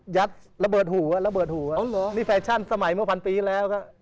ยัดระเบิดหูอ่ะระเบิดหัวอ๋อเหรอนี่แฟชั่นสมัยเมื่อพันปีแล้วก็